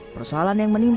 persoalan yang menariknya